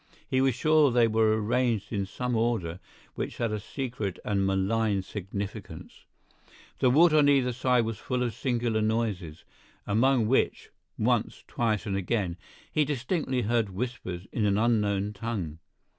He was sure they were arranged in some order which had a secret and malign significance. The wood on either side was full of singular noises, among which—once, twice, and again—he distinctly heard whispers in an unknown tongue.